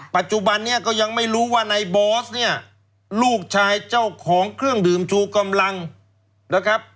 ปัจจุบันนี้ก็ยังไม่รู้ว่าในบอสเนี่ยลูกชายเจ้าของเครื่องดื่มชูกำลังนะครับ